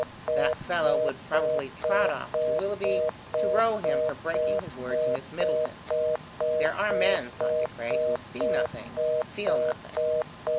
That fellow would probably trot of to Willoughby to row him for breaking his word to Miss Middleton! There are men, thought De Craye, who see nothing, feel nothing.